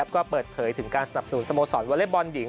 ก็เปิดเผยถึงการสนับสนุนสโมสรวอเล็กบอลหญิง